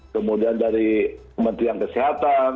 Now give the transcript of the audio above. kemudian dari kementerian kesehatan